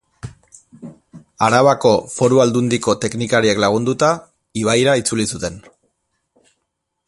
Arabako Foru Aldundiko teknikariek lagunduta, ibaira itzuli zen.